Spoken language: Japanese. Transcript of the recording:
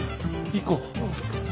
行こう。